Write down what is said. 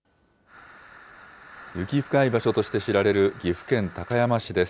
雪深い場所として知られる岐阜県高山市です。